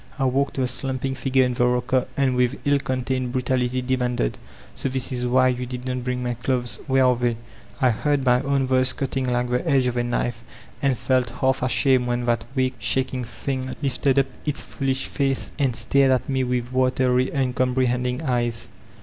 I walked to the slumping figure in the rodcer, and witfi ill contained brutality demanded: ''So diis is why yoa did not bring my clothes ! Where are they ?*' I heard my own voice cutting like the edge of a knife, and felt half ashamed when that weak, shakiog thing At the End op the Alley 443 lifted up its foolish face, and stared at me with watery, tmcomprehending eyes.